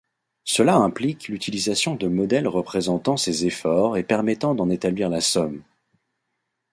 Cela implique l'utilisation de modèles représentant ces efforts et permettant d'en établir la somme.